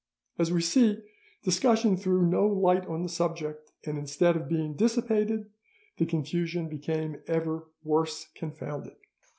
As we see, discussion threw no light on the subject, and instead of being dissipated, the confusion became ever "worse confounded."